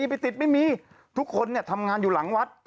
ไปติดไม่มีทุกคนทำงานอยู่หลังวัด